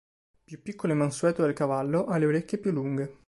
Più piccolo e mansueto del cavallo, ha le orecchie più lunghe.